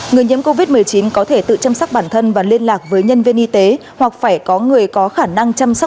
người nhiễm covid một mươi chín có thể tự chăm sóc bản thân và liên lạc với nhân viên y tế hoặc phải có người có khả năng chăm sóc